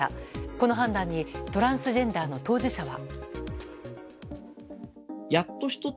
この判断にトランスジェンダーの当事者は。